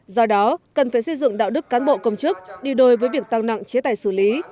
do đó cần phải xây dựng đạo đức cán bộ công chức đi đôi với việc tăng nặng chế tài xử lý